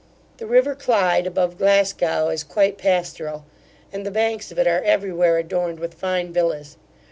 The river Clyde, above Glasgow, is quite pastoral; and the banks of it are every where adorned with fine villas.